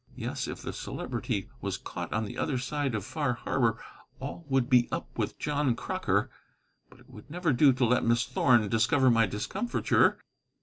Yes, if the Celebrity was caught on the other side of Far Harbor, all would be up with John Crocker! But it would never do to let Miss Thorn discover my discomfiture.